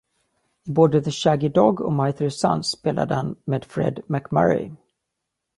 I både "The Shaggy Dog" och "My Three Sons" spelade han med Fred MacMurray.